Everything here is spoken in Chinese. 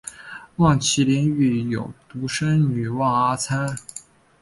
望麒麟育有独生女望阿参。